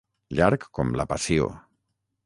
Llarg com la Passió.